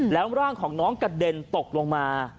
แล้วร่างของน้องกระเด็นตกลงมา